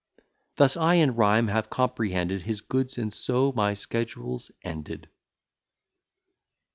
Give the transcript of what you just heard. Thus I in rhyme have comprehended His goods, and so my schedule's ended.